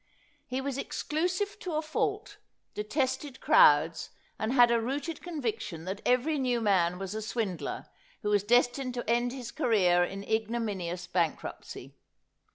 He was exclusive to a fault, detested crowds, and had a rooted conviction that every new man was a swindler, who was destined to end his career in ignominious bankruptcy.